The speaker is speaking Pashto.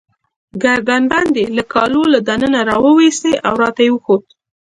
ګردن بند يې له کالو له دننه راوایستی، او راته يې وښود.